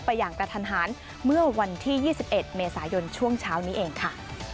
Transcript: อย่างกระทันหันเมื่อวันที่๒๑เมษายนช่วงเช้านี้เองค่ะ